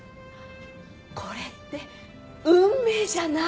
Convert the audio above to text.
これって運命じゃない？